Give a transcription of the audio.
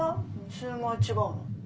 シューマイは違うの？」。